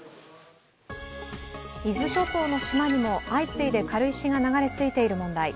伊豆諸島の島にも相次いで軽石が流れ着いている問題。